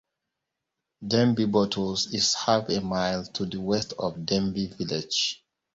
Denby Bottles is half a mile to the west of Denby Village.